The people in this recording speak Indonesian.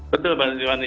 betul pak didi wani